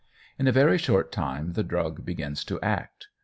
In a very short time the drug begins to act.